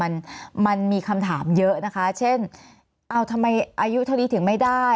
มันมันมีคำถามเยอะนะคะเช่นเอาทำไมอายุเท่านี้ถึงไม่ได้